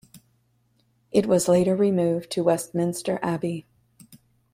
It was later removed to Westminster Abbey.